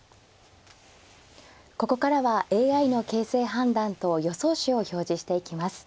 ここからはＡＩの形勢判断と予想手を表示していきます。